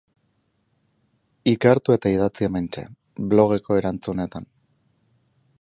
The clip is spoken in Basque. Ikertu eta idatzi hementxe, blogeko erantzunetan.